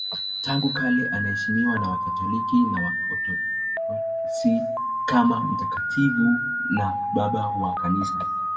Tangu kale anaheshimiwa na Wakatoliki na Waorthodoksi kama mtakatifu na Baba wa Kanisa.